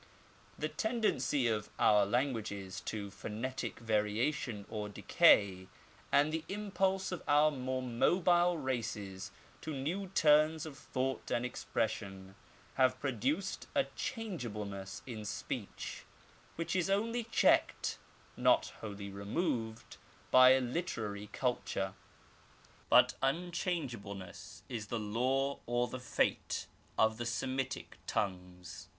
The tendency of our languages to phonetic variation or decay, and the impulse of our more mobile races to new turns of thought and expression, have produced a changeableness in speech which is only checked, not wholly removed, by literary culture. But unchangeableness is the law or the fate of the Semitic tongues.